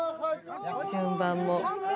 順番も。